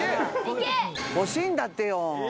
欲しいんだってよ